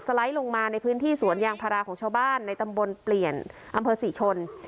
ไลด์ลงมาในพื้นที่สวนยางพาราของชาวบ้านในตำบลเปลี่ยนอำเภอศรีชน